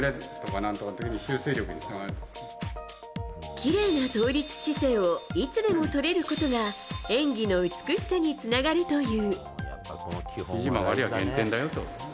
きれいな倒立姿勢をいつでもとれることが演技の美しさにつながるという。